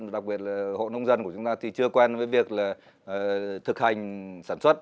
đặc biệt là hộ nông dân của chúng ta thì chưa quen với việc là thực hành sản xuất